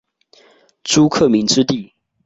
朱克敏之弟。